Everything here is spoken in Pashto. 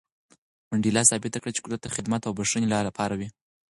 منډېلا ثابته کړه چې قدرت د خدمت او بښنې لپاره وي.